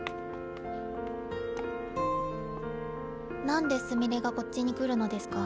なんですみれがこっちに来るのデスカ。